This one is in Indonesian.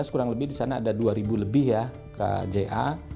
dua ribu sembilan belas kurang lebih di sana ada dua ribu lebih ya kja